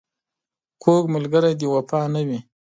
کوږ ملګری د وفا نه وي